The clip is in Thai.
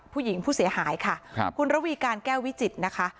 ผู้หญิงผู้เสียหายค่ะครับคุณระวีการแก้ววิจิตรนะคะ